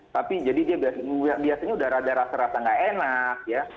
tapi jadi dia biasanya sudah ada rasa rasa tidak enak ya